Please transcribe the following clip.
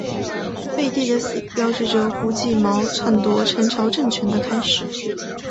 废帝的死标志着胡季牦篡夺陈朝政权的开始。